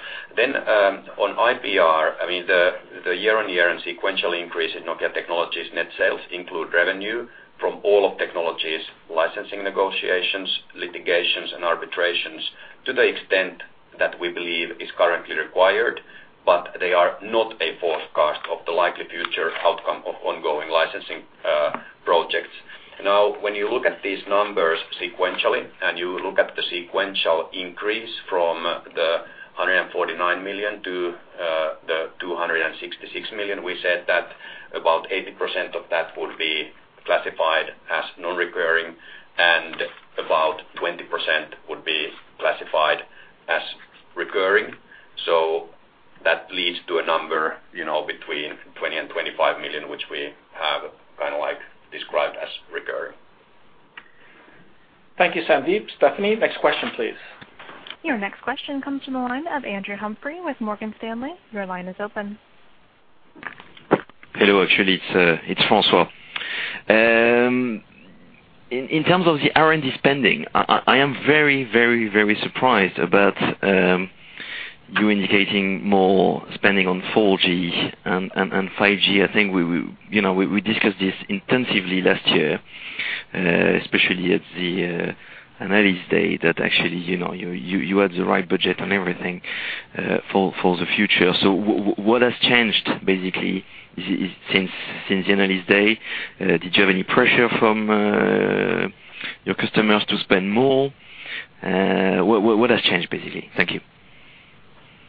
On IPR, I mean, the year-over-year and sequential increase in Nokia Technologies net sales include revenue from all of Technologies licensing negotiations, litigations, and arbitrations to the extent that we believe is currently required, but they are not a forecast of the likely future outcome of ongoing licensing projects. When you look at these numbers sequentially and you look at the sequential increase from the 149 million to the 266 million, we said that about 80% of that would be classified as non-recurring and about 20% leads to a number between 20 million and 25 million, which we have described as recurring. Thank you, Sandeep. Stephanie, next question, please. Your next question comes from the line of Andrew Humphrey with Morgan Stanley. Your line is open. Hello. Actually, it's François. In terms of the R&D spending, I am very surprised about you indicating more spending on 4G and 5G. I think we discussed this intensively last year, especially at the analyst day, that actually, you had the right budget and everything for the future. What has changed, basically, since the analyst day? Did you have any pressure from your customers to spend more? What has changed, basically? Thank you.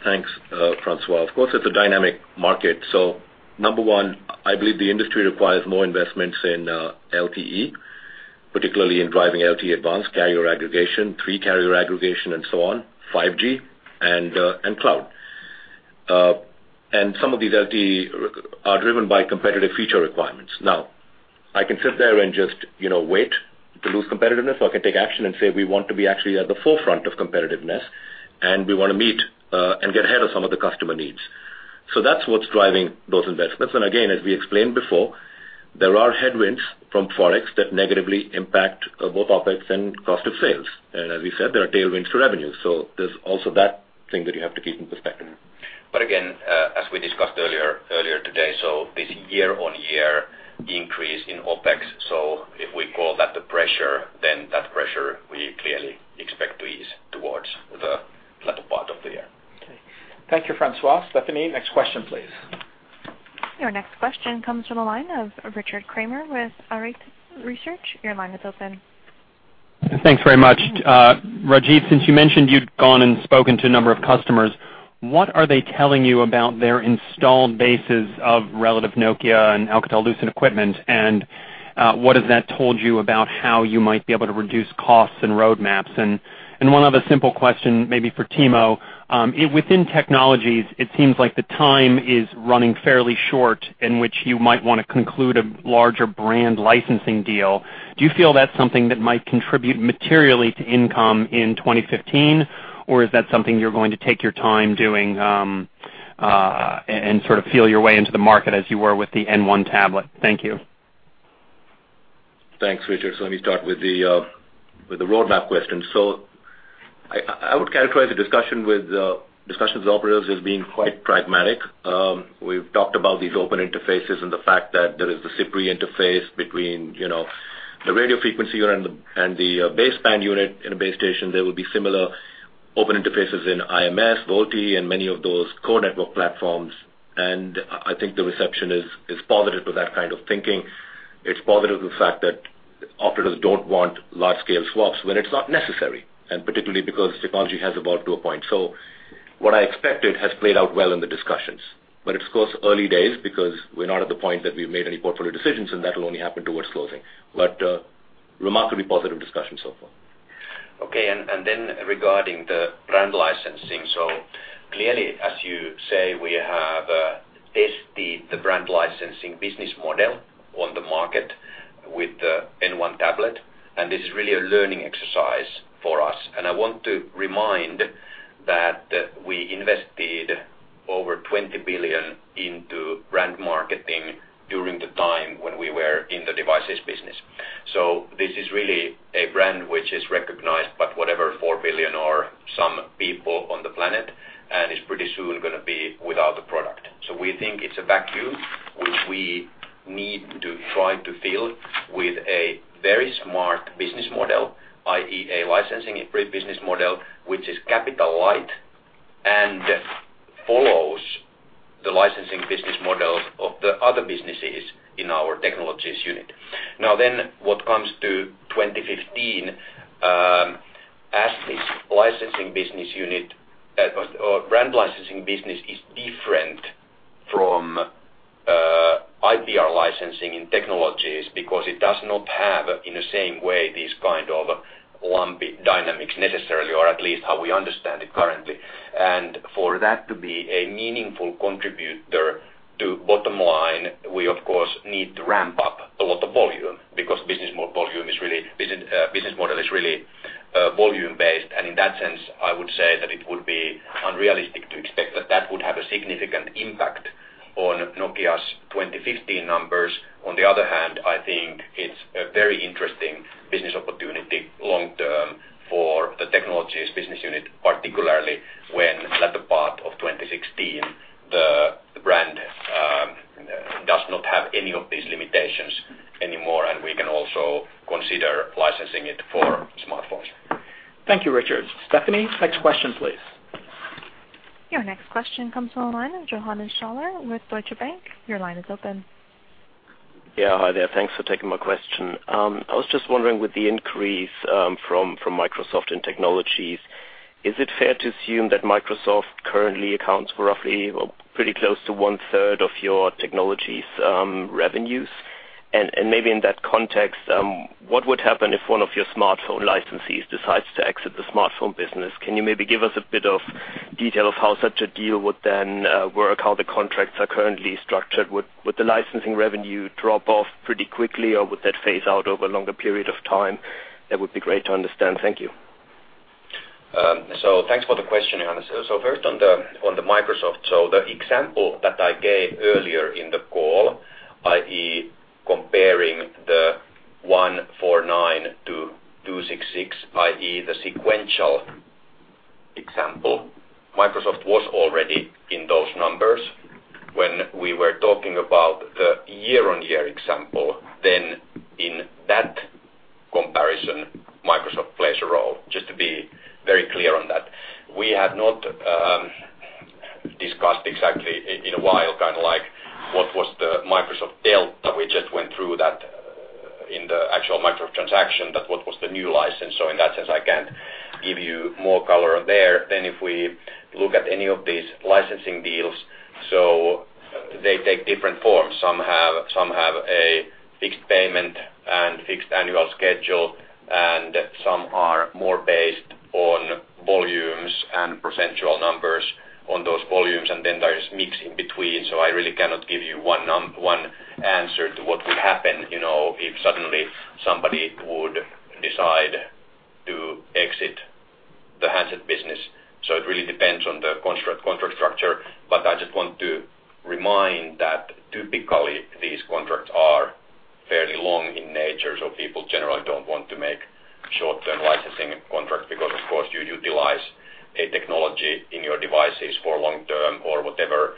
Thanks, François. Of course, it's a dynamic market. Number 1, I believe the industry requires more investments in LTE, particularly in driving LTE Advanced carrier aggregation, 3 carrier aggregation, and so on, 5G and cloud. Some of these LTE are driven by competitive feature requirements. I can sit there and just wait to lose competitiveness, or I can take action and say, "We want to be actually at the forefront of competitiveness, and we want to meet, and get ahead of some of the customer needs." That's what's driving those investments. Again, as we explained before, there are headwinds from Forex that negatively impact both OpEx and cost of sales. As we said, there are tailwinds to revenue. There's also that thing that you have to keep in perspective. Again, as we discussed earlier today, this year-on-year increase in OpEx. If we call that the pressure, that pressure we clearly expect to ease towards the latter part of the year. Thank you, François. Stephanie, next question, please. Your next question comes from the line of Richard Kramer with Arete Research. Your line is open. Thanks very much. Rajeev, since you mentioned you'd gone and spoken to a number of customers, what are they telling you about their installed bases of relative Nokia and Alcatel-Lucent equipment? What has that told you about how you might be able to reduce costs and roadmaps? One other simple question, maybe for Timo. Within Nokia Technologies, it seems like the time is running fairly short in which you might want to conclude a larger brand licensing deal. Do you feel that's something that might contribute materially to income in 2015? Or is that something you're going to take your time doing, and sort of feel your way into the market as you were with the Nokia N1 tablet? Thank you. Thanks, Richard. Let me start with the roadmap question. I would characterize the discussions with operators as being quite pragmatic. We've talked about these open interfaces and the fact that there is the CPRI interface between the radio frequency and the baseband unit in a base station. There will be similar open interfaces in IMS, VoLTE, and many of those core network platforms. I think the reception is positive to that kind of thinking. It's positive to the fact that operators don't want large-scale swaps when it's not necessary, and particularly because technology has evolved to a point. What I expected has played out well in the discussions, but it's, of course, early days because we're not at the point that we've made any portfolio decisions, and that will only happen towards closing. Remarkably positive discussion so far. Okay, regarding the brand licensing. Clearly, as you say, we have tested the brand licensing business model on the market with the Nokia N1 tablet, and this is really a learning exercise for us. I want to remind that we invested over 20 billion into brand marketing during the time when we were in the devices business. This is really a brand which is recognized, by whatever, 4 billion or some people on the planet, and is pretty soon going to be without a product. We think it's a vacuum which we need to try to fill with a very smart business model, i.e., a licensing business model, which is capital light and follows the licensing business model of the other businesses in our Nokia Technologies unit. What comes to 2015, as this licensing business unit or brand licensing business is different from IPR licensing in Nokia Technologies because it does not have, in the same way, these kind of lumpy dynamics necessarily, or at least how we understand it currently. For that to be a meaningful contributor to bottom line, we of course need to ramp up a lot of volume because business model is really volume-based. In that sense, I would say that it would be unrealistic to expect that that would have a significant impact on Nokia's 2015 numbers. On the other hand, I think it's a very interesting business opportunity long term for the Nokia Technologies business unit, particularly when latter part of 2016, the brand does not have any of these limitations anymore, and we can also consider licensing it for smartphones. Thank you, Richard. Stephanie, next question, please. Your next question comes from the line of Johannes Schaller with Deutsche Bank. Your line is open. Hi there. Thanks for taking my question. I was just wondering, with the increase from Microsoft in Nokia Technologies, is it fair to assume that Microsoft currently accounts for roughly pretty close to one-third of your Nokia Technologies revenues? Maybe in that context, what would happen if one of your smartphone licensees decides to exit the smartphone business? Can you maybe give us a bit of detail of how such a deal would then work, how the contracts are currently structured? Would the licensing revenue drop off pretty quickly, or would that phase out over a longer period of time? That would be great to understand. Thank you. Thanks for the question, Johannes. First on the Microsoft. The example that I gave earlier in the call, i.e. comparing the 149 to 266, i.e. the sequential example, Microsoft was already in those numbers when we were talking about the year-on-year example. In that comparison, Microsoft plays a role. Just to be very clear on that. We have not discussed exactly in a while kind of like what was the Microsoft deal. We just went through that in the actual Microsoft transaction, that what was the new license. In that sense, I can't give you more color there than if we look at any of these licensing deals. They take different forms. Some have a fixed payment and fixed annual schedule, and some are more based on volumes and percentual numbers on those volumes, and then there is mix in between. I really cannot give you one answer to what will happen, if suddenly somebody would decide to exit the handset business. It really depends on the contract structure. I just want to remind that typically these contracts are fairly long in nature, so people generally don't want to make short-term licensing contracts because, of course, you utilize a technology in your devices for long term or whatever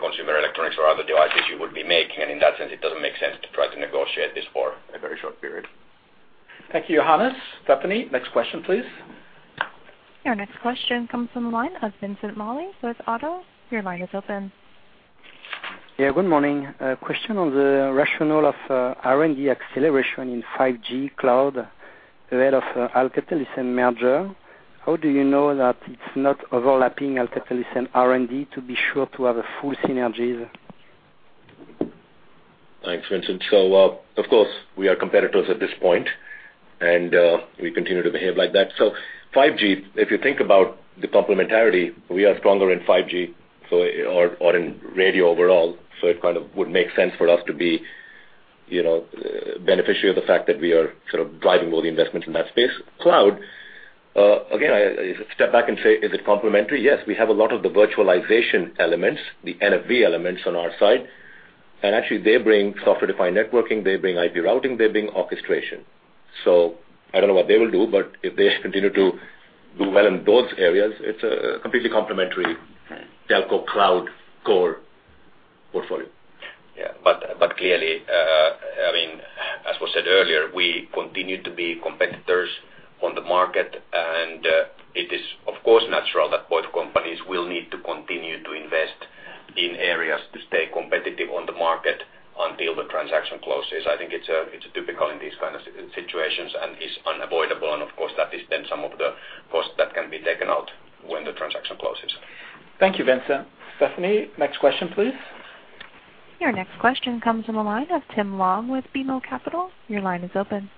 consumer electronics or other devices you would be making. In that sense, it doesn't make sense to try to negotiate this for a very short period. Thank you, Johannes. Stephanie, next question, please. Your next question comes from the line of Vincent Maliepaard. It's Oddo. Your line is open. Yeah, good morning. A question on the rationale of R&D acceleration in 5G Cloud ahead of Alcatel-Lucent merger. How do you know that it's not overlapping Alcatel-Lucent R&D to be sure to have full synergies? Thanks, Vincent. Of course, we are competitors at this point, we continue to behave like that. 5G, if you think about the complementarity, we are stronger in 5G or in radio overall, it kind of would make sense for us to be beneficiary of the fact that we are sort of driving all the investments in that space. Cloud, again, I step back and say, is it complementary? Yes, we have a lot of the virtualization elements, the NFV elements on our side. Actually they bring software-defined networking, they bring IP routing, they bring orchestration. I don't know what they will do, but if they continue to do well in those areas, it's a completely complementary telco cloud core portfolio. Yeah. Clearly, as was said earlier, we continue to be competitors on the market, it is, of course, natural that both companies will need to continue to invest in areas to stay competitive on the market until the transaction closes. I think it's typical in these kind of situations and is unavoidable. Of course, that is then some of the cost that can be taken out when the transaction closes. Thank you, Vincent. Stephanie, next question, please. Your next question comes from the line of Tim Long with BMO Capital. Your line is open.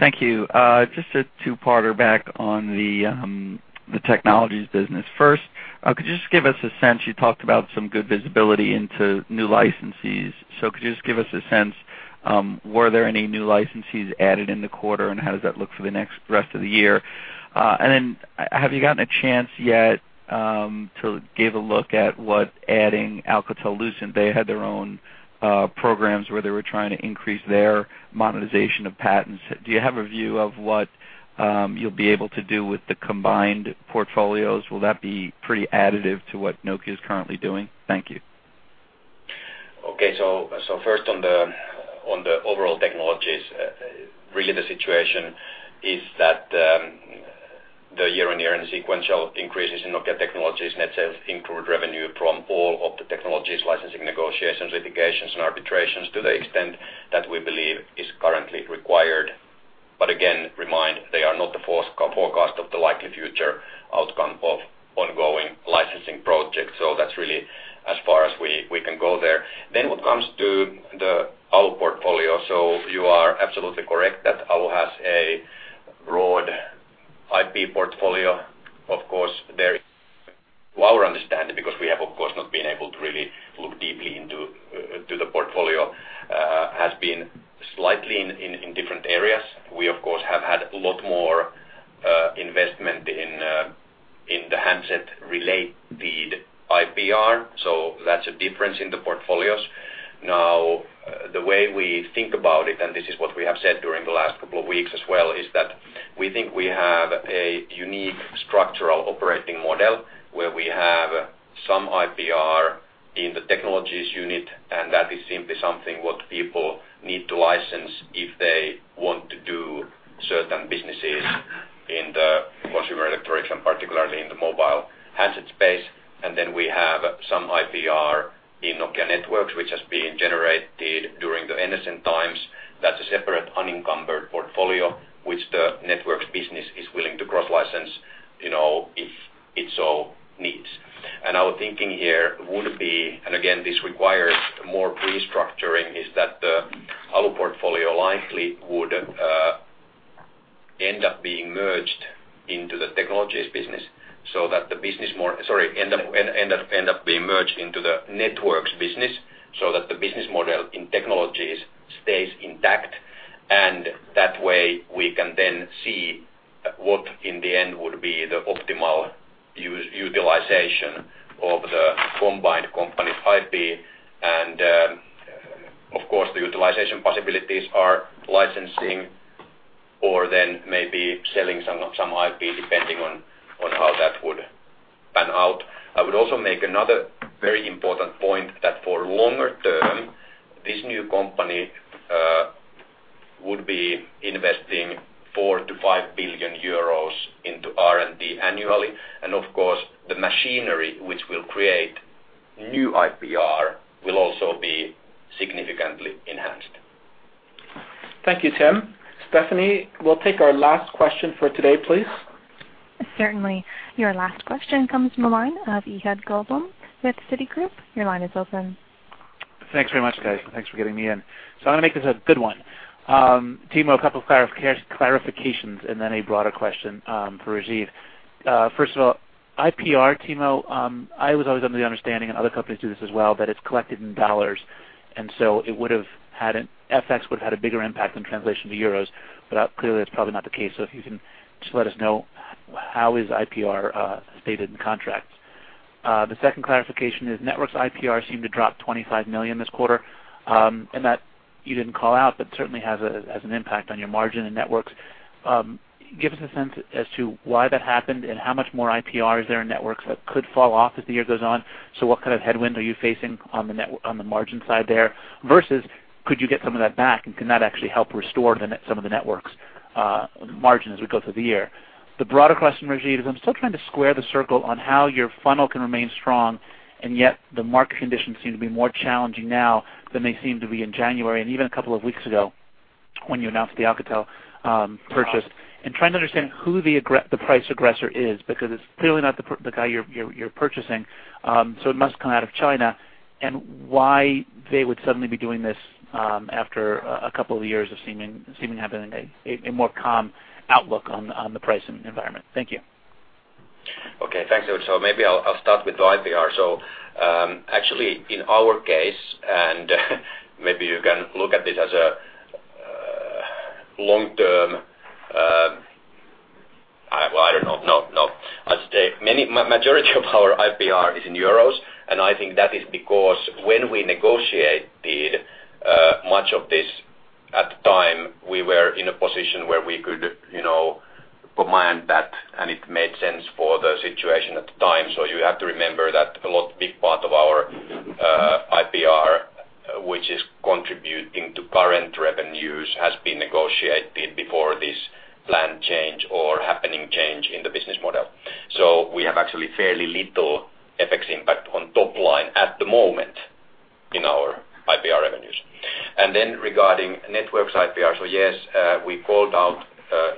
Thank you. Just a two-parter back on the Technologies business. First, could you just give us a sense, you talked about some good visibility into new licensees. Could you just give us a sense, were there any new licensees added in the quarter, and how does that look for the next rest of the year? Then have you gotten a chance yet to give a look at what adding Alcatel-Lucent, they had their own programs where they were trying to increase their monetization of patents. Do you have a view of what you'll be able to do with the combined portfolios? Will that be pretty additive to what Nokia is currently doing? Thank you. Okay. First on the overall Technologies, really the situation is that the year-on-year and sequential increases in Nokia Technologies net sales include revenue from all of the Technologies, licensing negotiations, litigations, and arbitrations to the extent that we believe is currently required. Again, remind they are not the forecast of the likely future outcome of ongoing licensing projects. That's really as far as we can go there. What comes to the ALU portfolio. You are absolutely correct that ALU has a broad IPR portfolio. Of course, to our understanding, because we have, of course, not been able to really look deeply into the portfolio, has been slightly in different areas. We, of course, have had a lot more investment in the handset-related IPR, that's a difference in the portfolios. The way we think about it, this is what we have said during the last couple of weeks as well, is that we think we have a unique structural operating model where we have some IPR in the Technologies unit, that is simply something what people need to license if they want to do certain businesses in the consumer electronics and particularly in the mobile handset space. Then we have some IPR in Nokia Networks, which has been generated during the NSN times. That's a separate unencumbered portfolio, which the Networks business is willing to cross-license if it so needs. Our thinking here would be, again, this requires more restructuring, is that the ALU portfolio likely would end up being merged into the Technologies business, that the business model in Technologies stays intact. That way we can then see what in the end would be the optimal utilization of the combined company's IP and, of course, the utilization possibilities are licensing or maybe selling some IP, depending on how that would pan out. I would also make another very important point that for longer term, this new company would be investing 4 billion to 5 billion euros into R&D annually. Of course, the machinery which will create new IPR will also be significantly enhanced. Thank you, Tim. Stephanie, we'll take our last question for today, please. Certainly. Your last question comes from the line of Ehab Gomaa with Citigroup. Your line is open. Thanks very much, guys. Thanks for getting me in. I'm going to make this a good one. Timo, a couple clarifications and then a broader question for Rajeev. First of all, IPR, Timo, I was always under the understanding, and other companies do this as well, that it's collected in $, and FX would've had a bigger impact than translation to EUR. But clearly that's probably not the case. If you can just let us know, how is IPR stated in contracts? The second clarification is Networks IPR seemed to drop 25 million this quarter, and that you didn't call out, but certainly has an impact on your margin and Networks. Give us a sense as to why that happened, and how much more IPR is there in Networks that could fall off as the year goes on. What kind of headwind are you facing on the margin side there, versus could you get some of that back, and can that actually help restore some of the Networks' margin as we go through the year? The broader question, Rajeev, is I'm still trying to square the circle on how your funnel can remain strong, and yet the market conditions seem to be more challenging now than they seemed to be in January and even a couple of weeks ago when you announced the Alcatel purchase. Trying to understand who the price aggressor is, because it's clearly not the guy you're purchasing. It must come out of China. Why they would suddenly be doing this after a couple of years of seeming to have a more calm outlook on the pricing environment. Thank you. Okay. Thanks. Maybe I'll start with the IPR. Actually in our case, and maybe you can look at this as a long-term, well, I don't know. No, I'll stay. Majority of our IPR is in EUR, and I think that is because when we negotiated much of this, at the time, we were in a position where we could command that, and it made sense for the situation at the time. You have to remember that a big part of our IPR, which is contributing to current revenues, has been negotiated before this planned change or happening change in the business model. We have actually fairly little FX impact on top line at the moment in our IPR revenues. Regarding Networks IPR, yes, we called out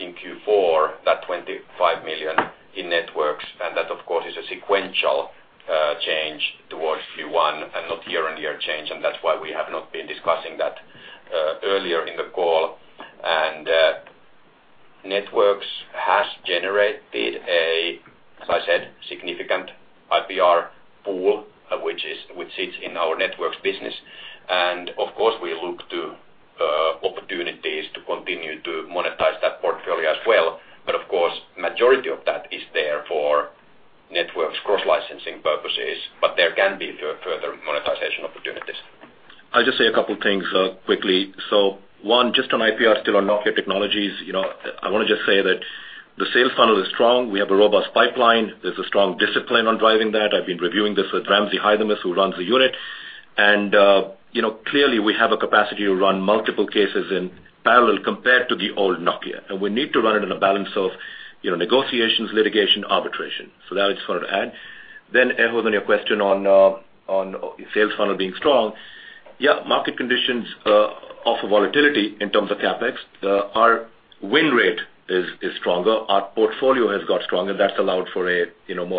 in Q4 that 25 million in Networks, and that, of course, is a sequential change towards Q1 and not year-over-year change, and that's why we have not been discussing that earlier in the call. Networks has generated a, as I said, significant IPR pool, which sits in our Networks business. Of course, we look to opportunities to continue to monetize that portfolio as well. Of course, majority of that is there for Networks cross-licensing purposes, but there can be further monetization opportunities. I'll just say a couple things quickly. One, just on IPR still on Nokia Technologies, I want to just say that the sales funnel is strong. We have a robust pipeline. There's a strong discipline on driving that. I've been reviewing this with Ramzi Haidamus, who runs the unit. Clearly, we have a capacity to run multiple cases in parallel compared to the old Nokia. We need to run it in a balance of negotiations, litigation, arbitration. That I just wanted to add. Ehab, on your question on sales funnel being strong. Market conditions offer volatility in terms of CapEx. Our win rate is stronger. Our portfolio has got stronger. That's allowed for a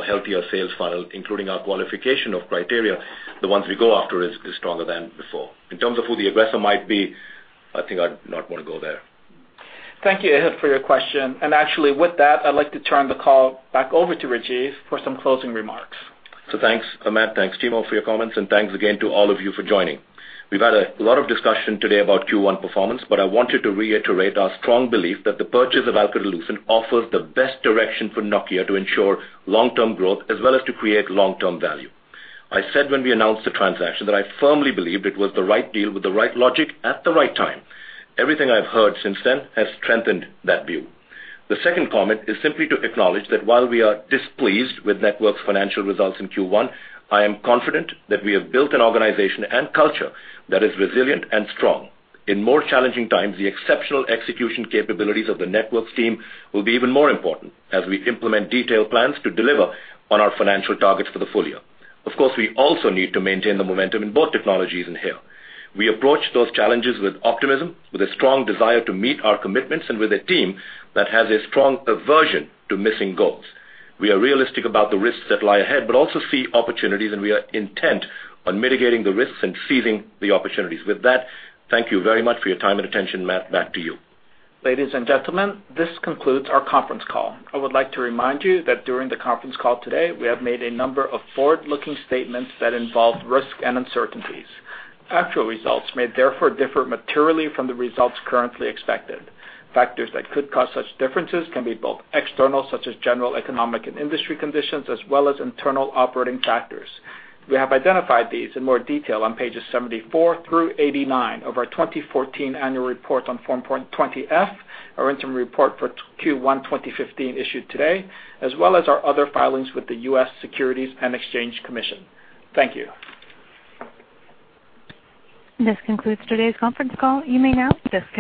healthier sales funnel, including our qualification of criteria. The ones we go after is stronger than before. In terms of who the aggressor might be, I think I'd not want to go there. Thank you, Ehab, for your question. Actually with that, I'd like to turn the call back over to Rajeev for some closing remarks. Thanks, Matt. Thanks, Timo, for your comments, and thanks again to all of you for joining. We've had a lot of discussion today about Q1 performance, but I wanted to reiterate our strong belief that the purchase of Alcatel-Lucent offers the best direction for Nokia to ensure long-term growth as well as to create long-term value. I said when we announced the transaction that I firmly believed it was the right deal with the right logic at the right time. Everything I've heard since then has strengthened that view. The second comment is simply to acknowledge that while we are displeased with Networks' financial results in Q1, I am confident that we have built an organization and culture that is resilient and strong. In more challenging times, the exceptional execution capabilities of the Networks team will be even more important as we implement detailed plans to deliver on our financial targets for the full year. Of course, we also need to maintain the momentum in both Technologies and HERE. We approach those challenges with optimism, with a strong desire to meet our commitments, and with a team that has a strong aversion to missing goals. We are realistic about the risks that lie ahead, but also see opportunities, and we are intent on mitigating the risks and seizing the opportunities. With that, thank you very much for your time and attention. Matt, back to you. Ladies and gentlemen, this concludes our conference call. I would like to remind you that during the conference call today, we have made a number of forward-looking statements that involve risk and uncertainties. Actual results may therefore differ materially from the results currently expected. Factors that could cause such differences can be both external, such as general economic and industry conditions, as well as internal operating factors. We have identified these in more detail on pages 74 through 89 of our 2014 annual report on Form 20-F, our interim report for Q1 2015 issued today, as well as our other filings with the U.S. Securities and Exchange Commission. Thank you. This concludes today's conference call. You may now disconnect.